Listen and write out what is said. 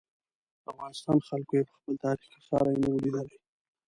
افغانستان خلکو یې په خپل تاریخ کې ساری نه و لیدلی.